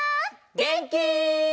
げんき？